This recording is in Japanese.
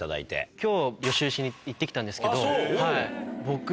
今日予習しに行って来たんですけど。